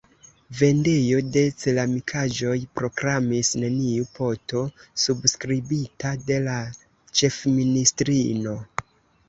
Vendejo de ceramikaĵoj proklamis: “Neniu poto subskribita de la ĉefministrino.